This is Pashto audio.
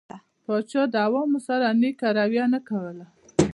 پاچا د عوامو سره نيکه رويه نه کوله.